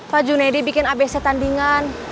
pak junedi bikin abc tandingan